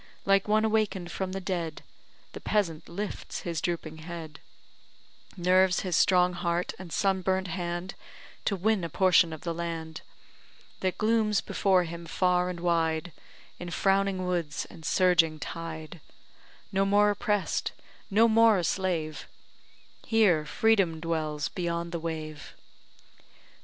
Like one awaken'd from the dead, The peasant lifts his drooping head, Nerves his strong heart and sunburnt hand, To win a potion of the land, That glooms before him far and wide In frowning woods and surging tide No more oppress'd, no more a slave, Here freedom dwells beyond the wave.